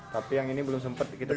tapi yang ini belum sempat kita